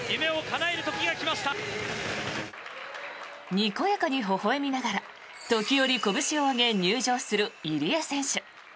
にこやかにほほ笑みながら時折こぶしを上げ、入場する入江選手。